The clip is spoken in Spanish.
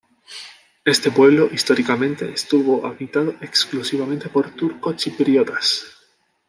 Este pueblo, históricamente, estuvo habitado exclusivamente por turcochipriotas.